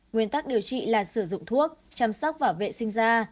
nguyên tắc điều trị là sử dụng thuốc chăm sóc và vệ sinh da